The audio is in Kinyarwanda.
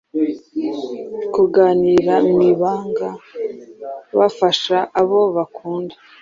kuganira mu ibanga, bafasha abo bakunda